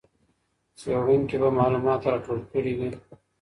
څېړونکی به معلومات راټول کړي وي.